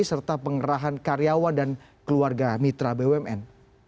serta pengerahan karyawan dan keluarga mitra bumn